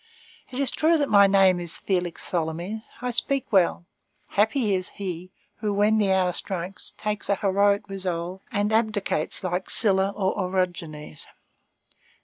It is true that my name is Félix Tholomyès; I speak well. Happy is he who, when the hour strikes, takes a heroic resolve, and abdicates like Sylla or Origenes."